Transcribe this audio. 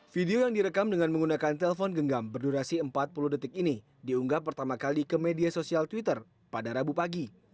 video yang direkam dengan menggunakan telpon genggam berdurasi empat puluh detik ini diunggah pertama kali ke media sosial twitter pada rabu pagi